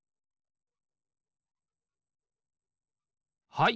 はい。